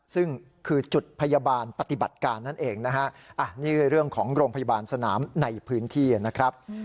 ซึ่งคือจุดพยาบาลปฏิบัติการนั่นเองนะฮะนี่เรื่องของโรงพยาบาลสนามในพื้นที่นะครับ